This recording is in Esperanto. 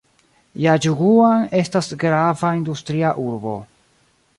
Jiaĝuguan estas grava industria urbo.